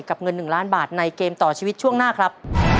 เงิน๑ล้านบาทในเกมต่อชีวิตช่วงหน้าครับ